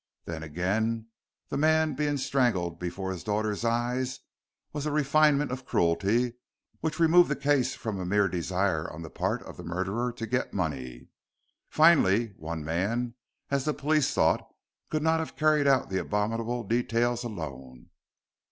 Then, again, the man being strangled before his daughter's eyes was a refinement of cruelty which removed the case from a mere desire on the part of the murdered to get money. Finally, one man, as the police thought, could not have carried out the abominable details alone.